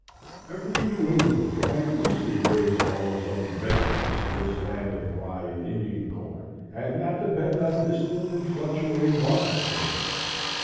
Every New Englander might easily raise all his own breadstuffs in this land of rye and Indian corn, and not depend on distant and fluctuating markets for them.